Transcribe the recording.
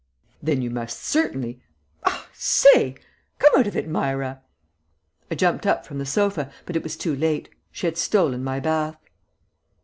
"Then you must certainly I say! Come out of it, Myra!" I jumped up from the sofa, but it was too late. She had stolen my bath.